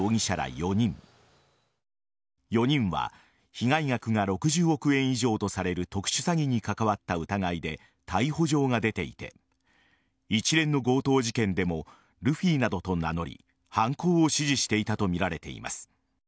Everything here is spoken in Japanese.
４人は被害額が６０億円以上とされる特殊詐欺に関わった疑いで逮捕状が出ていて一連の強盗事件でもルフィなどと名乗り犯行を指示していたとみられています。